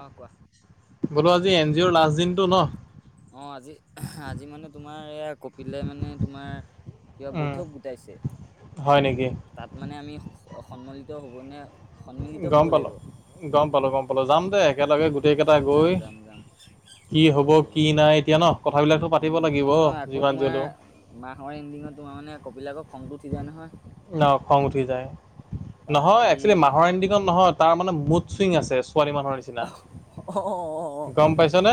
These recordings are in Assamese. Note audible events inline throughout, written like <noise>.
অ' কোৱা। ব'লো আজি এ জি অ'ৰ লাষ্ট দিনতটো ন? অঁ আজি -আজি মানে তোমাৰ এইয়া কপীলে মানে তোমাৰ কিবা উম বৈঠক গোটাইছে। হয় নেকি? তাত মানে আমি সন্মিলিত হ'বনে গ'ম পালো, গ'ম পালো, গ'ম পালো, যাম দে উম একেলগে গোটেইকেটা যাম গৈ যাম যাম কি যাব হ'ব লাগিব কি নাই এতিয়া ন ' কথাবলাক ত' পাতিব উম লাগিব নহয় নহয় আকৌ যিমান যি তোমাৰ হলো মাহৰ এনডিঙত তোমাৰ মানে কপিল আক খংটো উঠি যায় নহয়। ন' খং উঠি যায়। বা নহয় কালি একচুৱেলি মাহৰ এনদিঙত নহয় তাৰ মানে মুড চুউইং আছে ছোৱালী মানুহৰ নিচি অ অ অ অ গ'ম পাইছনে?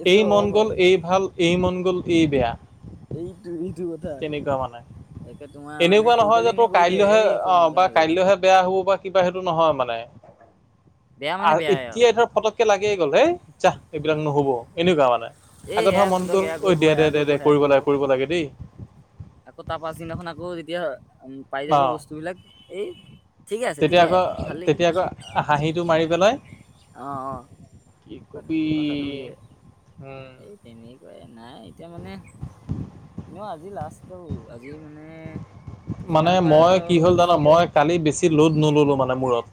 এইটো এই মন হয় গ'ল বাৰু এই ভাল এই মন গ'ল, এই বেয়া। এই তুমি তেনেকুৱা মানে। মানে এনেকুৱা সৰু নহয় পোৱালি যে নিচিনা তোৰ কৰি দিয়ে কাইলৈহে এই সৌ অ মাজে বা মাজে কাইলৈহে বেয়া হ'ব বা। কিবা সেইটো নহয় মানে বেয়া মানে আহ বেয়াই আৰু এতিয়া ধৰ ফটক একে লাগেই কলে জাহ এইবিলাক নহব এনেকুৱা মানে। এই আগত হৰা এয়া মন তহঁতক গোন এয়া অঐ কৰিব দে সেয়া -দে- দে- দে সেয়া -কৰিব লাগে কৰিব লাগে দেই। আকৌ তপা চিদিনাখন আকৌ এতিয়া উম পাই যাব অ বস্তুবিলাক এই ঠিকে আছে তেতিয়া ঠিকে আকৌ এইটোতো ভালেই তেতিয়া আকৌ হাঁহিটো মাৰি পেলাই। অঁ -অঁ কি -ক কবি কথাটো বলে উম এই। তেনে কয় নাই এতিয়া মানে এনেও আজি লাষ্ট। ত আজি মানে মানে যিমান মই পাৰো। কি হ'ল জান মই কালি বেছি লোদ নললো মানে মূৰত।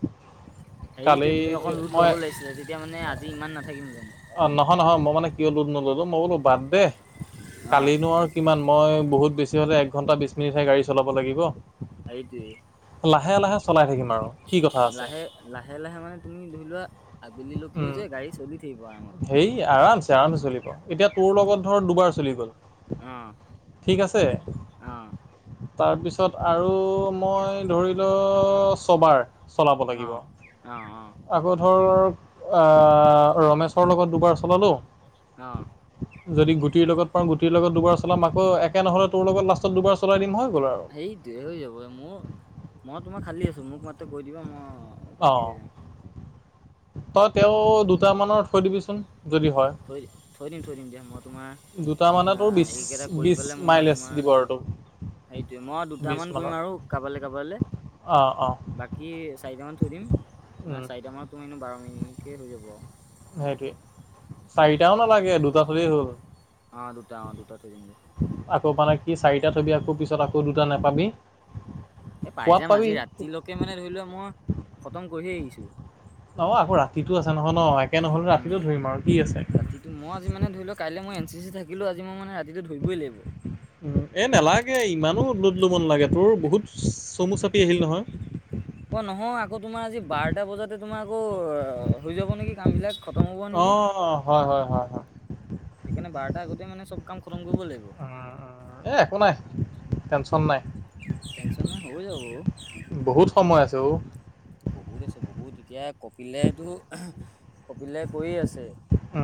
হেৰিটোৱে কালি তুমি অকণ লোড মই ল'ব লাগিছিলা তেতিয়া মানে আজি ইমান নাথাকিম জানো। অ নহয়- নহয়- মই মানে কিয় লোদ নলোলো মই বোলো বাদ দে অ কালিনো আৰু কিমান মই বহুত বেছি হ'লে এক ঘণ্টা বিছ মিনিটহে গাড়ী চলাব লাগিব। হাইটোৱে। লাহে- লাহে -চলাই থাকিম। আৰু কি কথা আছে লাহে -লাহে- লাহে- মানে তুমি ধৰি লোৱা আবেলিলৈকেও যে গাড়ী চলি থাকিব আৰামত। হেই আৰামছে -আৰামছে- চলিব এতিয়া তোৰ লগত ধৰ দুবাৰ চলি গ'ল। অ ঠিক আছে। অ তাৰপিছত আৰু মই ধৰি ল ছবাৰ চলাব অ লাগিব অ অ অ আকৌ ধৰ আহ। ৰমেশৰ লগত দুবাৰ চলালো। অ যদি গুটিৰ লগত পাওঁ গুটিৰ লগত দুবাৰ চলাম আকৌ একে নহলে তোৰ লগত লাষ্টত দুবাৰ চলাই দিম হয়। সেইটোৱে হৈ যাব মোৰ মই তোমাৰ খালী আছো মোক মা কৈ দিবা মই। অ অঁ কি হৈ যাম। তই তেওঁ তুমি মোক দুটা মানৰ থৈ দিবিচোন যদি হয়। থৈ থৈ দিম থৈ দিম দে মই তোমাৰ। দুটা মানে তোৰ বিছ আহ এইকেইটা কৰি বিছ পেলাই মই মাইলেজ তোমাৰ। দিব আৰু তোক সেইটোৱে মই বিছ দুটামান কৰিম মানৰ আৰু কাবালৈ কাবালৈ অঁ অঁ বাক। কি চাৰিটামান থৈ দিম মানে চাৰিটামানত তোমিনো বাৰ মিনিটকৈ হৈ যাব আৰু। সেইটোৱে চাৰিটাও নালাগে দুটা তোৱে হল। অ দুটা অ দুটা থৈ দিম। আকৌ মানে কি চাৰিটা থবি আকৌ পিছত আকৌ দুটা নোপাবি। এ পাই যাম আজি ৰাতিলৈকে মানে ধৰি লোৱা মই খতম কৰিহে এৰিছো। হব আকৌ ৰাতিতটো আছে নহয় ন একে নহলে ৰাতিটো ধৰিম আৰু কি আছে। কিন্তু মই আজি মানে ধৰি লও কাই মই এন চি- চি- থাকিলো আজি মই মানে ৰাটো ধৰিই লাগিব। উ এ নালাগে ইমানো লোড লব নালাগে তোৰ বহুত চমু চাপি আহিল নহয়। অ নহয় আকৌ তোমাৰ আজি বাৰটা বজাতে তোমাৰ আকৌ হৈ যাব নেকি কাম বিলাক। খতম হ'ব অ নেকি হয় হয় হয় হয় সেইকাৰণে বাৰটা আগতে মানে চব কাম খতম কৰিব লাগিব। এই একো নাই টেন্যন নাই। টেনচন নাই হ যাব বাৰু। বহুত সময় আছে অঔ। বহুত আছে বহুত এতিয়া কপিলেটো কপিলে কৈয়ে আছে। অ‍ঁ!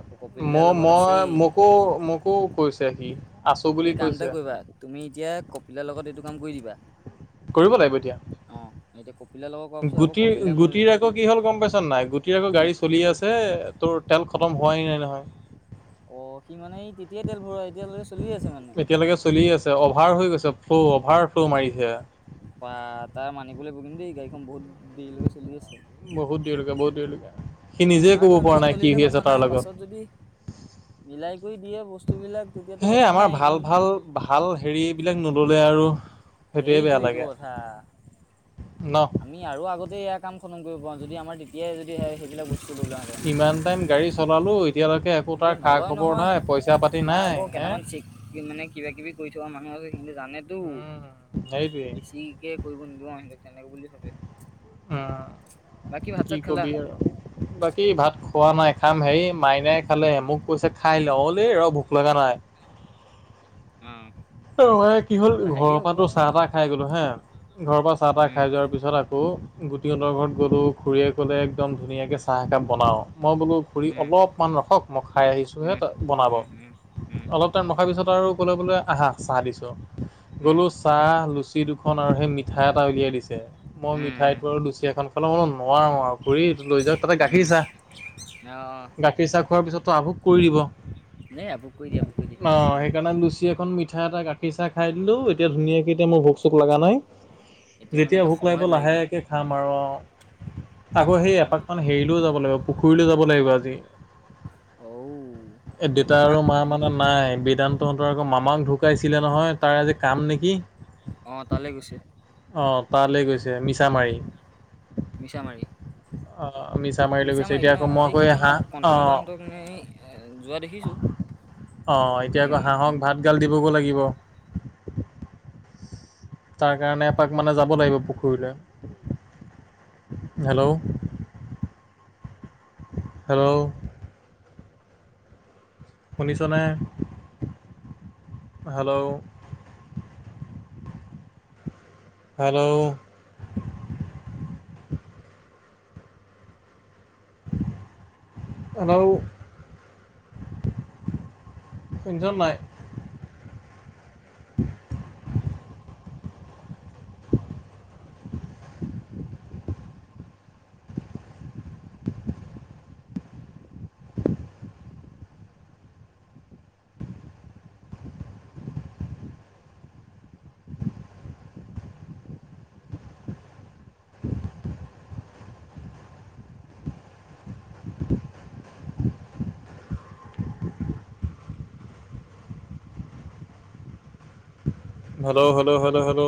আকৌ কপিলদাৰ লগত মই-মই আছেই মোকো-মোকো কৈছে সি। আছো তুমি বুলি কাম এটা কৈছে কৰিবা তুমি এতিয়া কপিলৰ লগত এইটো কাম কৰি দিবা। <unintelligible> কৰিব লাগিব এতিয়া। <inaudible> অঁ! এতিয়া কপিলাৰ লগ <inaudible> গুটিৰ-গুটিৰ আকৌ কি হ'ল গম পাইছ নাই গুটিৰ আকৌ কি গাড়ী চলি আছে তোৰ <inaudible> তেল খতম হোৱাই নাই নহয়। <unintelligible> অ! সি মানে ই তেতিয়াই তেল ভৰোৱা এতিয়ালৈকে চলি আছে মানে? <inaudible> এতিয়ালৈকে চলি আছে। অভাৰ হৈ গৈছে ফ্ল' অভাৰ ফ্ল' মাৰিছে। <unintelligible> বা তাৰ মানিবলৈ লাগিব কিন্তু দেই গাড়ীখন বহুত দেৰিলৈকে চলি আছে। <inaudible> বহুত ডেৰিলেকে, বহুত ডেৰিলেকে। <unintelligible> আমাৰতো এনেকা চলিলে কথা নাই পাছত যদি মিলাই কৰি দিয়ে বস্তুবিলাক। <inaudible> সেয়ে আমাৰ নাই কিন্তু ভাল-ভাল-ভাল হেৰিবিলাক নললে আৰু। <unintelligible> বেয়া সেইটোৱেইটো লাগে কথা। ন <unintelligible> আমি আৰু আগতেই এয়া কাম খতম কৰিব পাওঁ। যদি আমাৰ তেতিয়াই যদি সেইবিলাক বস্তু <inaudible> ইমান টাইম গাড়ী চলালো এতিয়ালৈকে একো এটা কিন্তু খা নলয় খবৰ নাই, পইচা পাতি নাই হে। <unintelligible> কি মানে কিবাকিবি কৰি থকা মানুহ আছে সিহঁতি জানেতো উম সেইটোৱে বেছি। <inaudible> এ কৰিব নিদিব আৰু সিহঁতক তেনেকে বুলি ভাবে। <unintelligible> উম! বাকী ভাত কি চাত খালা কবি আৰু। বাকী ভাত খোৱা নাই খাম হেৰি <inaudible> মাইনাই খালেহে মোক কৈছে খাই ল। <unintelligible> অলি ৰ ভোক লগা নাই। অঁ! <unintelligible> <unintelligible> কি হ'ল ঘৰৰ পৰা তো চাহ-তাহ খাই গলো হা। ঘৰৰ পৰা চাহ-তাহ খাই উম যোৱাৰ পিছত আকৌ <unintelligible> গুটিহঁতৰ ঘৰত গ'লোঁ। খুৰীয়ে ক'লে একদম ধুনীয়াকৈ চাহ একাপ বনাওঁ মই বোলো <unintelligible> খুৰি উম অলপমান ৰখক মই খাই আহিছোঁহে উম ত বনাব। উম উম উম অলপ <unintelligible> ৰখাৰ পিছত আৰু ক'লে বোলে আহাঁ চাহ দিছোঁ। উম গ'লোঁ <inaudible> চাহ, লুচি দুখন আৰু সেই মিঠাই এটা উলিয়াই দিছে। মই উম উম মিঠাইতো আৰু লুচি এখন <unintelligible> <unintelligible> নোৱাৰো আৰু খুৰি লৈ যাওক তাতে গাখীৰ উম চাহ অ <inaudible> গাখীৰ চাহ খোৱাৰ পিছতো আভোগ কৰি দিব। <unintelligible> এ আভোগ কৰি দিয়ে, কৰি দিয়ে। <inaudible> অঁ! সেইকাৰণে লুচি এখন, মি <inaudible> মিঠাই এটা, গাখীৰ চাহ খাই দিলোঁ এতিয়া ধুনীয়াকে এতিয়া মোৰ ভোক-চোক লগা নাই। <inaudible> এতিয়া মানে যেতিয়া একে ভোক লাগিব সময়ত লাহেকে খাম আৰু অঁ। আকৌ সেই সময়ত এপাক মান <unintelligible> হেৰিলৈও যাব লাগিব পুখুৰীলৈ যাব লাগিব আজি। অঔ <unintelligible> এ দেউতা আৰু তোমাক মা মানে নাই বিদান্তহঁতৰ আকৌ মামাক ঢু <inaudible> ঢুকাইছিলে নহয় তাৰ আজি কাম নেকি। <unintelligible> অঁ! তালৈ গৈছে? <unintelligible> অঁ! তালৈ গৈছে মিছামাৰী। <inaudible> মিছামাৰি? <inaudible> <unintelligible> অঁ! মিছামাৰি লৈ গৈছে। এতিয়া ন আকৌ মই এই কৈ সিদিনাখন হাঁহ কণ কণ অঁ বাহতক যোৱা দেখিছো <inaudible> অঁ! এতিয়া গুটিয়ে আকৌ মৰা। হাঁহক ভাত গাল দিবগৈ লাগিব। <inaudible> তাৰ কাৰণে এপাক মানে যাব লাগিব পুখুৰীলৈ। <unintelligible> হেল্ল'! <inaudible> হেল্ল'! <unintelligible> শুনিছ নে? হেল্ল'! <inaudible> হেল্ল'। হেল্লো সুঞ্চন নাই? হেল্ল-হেল্ল-হেলো-হেলো